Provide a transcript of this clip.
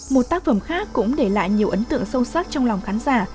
một tác phẩm khác cũng để lại nhiều ấn tượng sâu sắc trong lòng khán giả